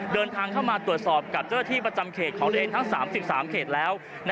เดินทางเข้ามาตรวจสอบกับเจ้าหน้าที่ประจำเขตของตัวเองทั้ง๓๓เขตแล้ว